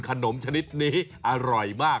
ชนิดนี้อร่อยมาก